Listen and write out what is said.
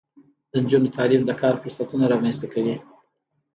د نجونو تعلیم د کار فرصتونه رامنځته کوي.